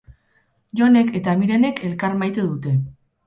Jonek eta Mirenek elkar maite dute.